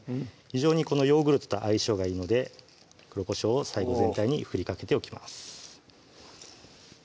非常にこのヨーグルトと相性がいいので黒こしょうを最後全体に振りかけておきます